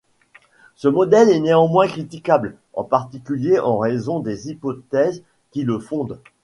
Ce modèle est néanmoins critiquable, en particulier en raison des hypothèses qui le fondent.